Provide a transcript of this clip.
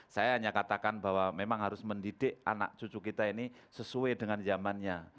saya hanya katakan bahwa memang harus mendidik anak cucu kita ini sesuai dengan zamannya